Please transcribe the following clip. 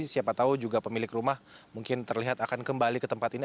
siapa tahu juga pemilik rumah mungkin terlihat akan kembali ke tempat ini